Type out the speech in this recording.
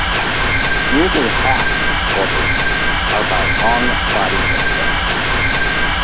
Nearly half of its borders are by long bodies of water.